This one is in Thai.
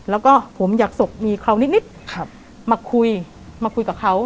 แล้วก็ผมอยากสกมีเขานิดมาคุยกับเขา